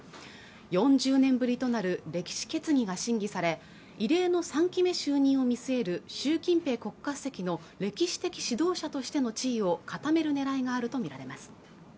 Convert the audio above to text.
４０年ぶりとなる歴史決議が審議され異例の３期目就任を見据える習近平国家主席の歴史的指導者としての地位を固めるねらいがあると見られます